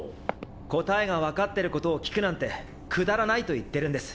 答えが分かってることを聞くなんてくだらないと言ってるんです。